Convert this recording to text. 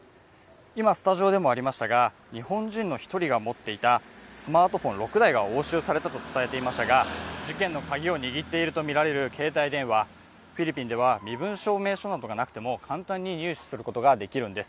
今スタジオでもありましたが日本人の１人が持っていたスマートフォン６台が押収されたと伝えていましたが事件のカギを握っているとみられる携帯電話、フィリピンでは身分証明書などがなくても簡単に入手することができるんです。